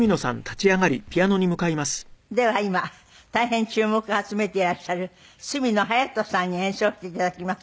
では今大変注目を集めていらっしゃる角野隼斗さんに演奏をして頂きます。